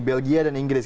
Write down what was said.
belgia dan inggris